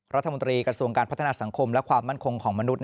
รัฐมนตรีกระทรวงการพัฒนาสังคมและความมั่นคงของมนุษย